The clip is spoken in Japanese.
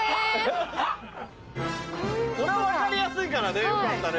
これ分かりやすいからよかったね。